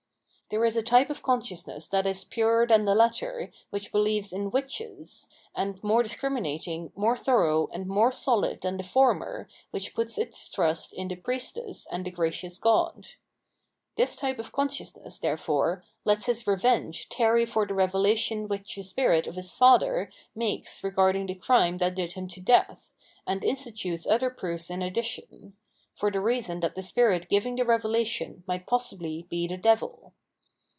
There is a type of consciousness that is purer than the latter* which beheves in witches, and more discriminating, more thorough and more sohd than the former which puts its trust in the priestess and the gracious god. This type of consciousness,! therefore, lets his revenge tarry for the revelation which the spirit of his father makes regarding the crime that did him to death, and institutes other proofs in addition — for the reason that the spirit giving the revelation might possibly be the devil.